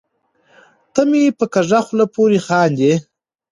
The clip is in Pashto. ته مې په کږه خوله پورې خاندې .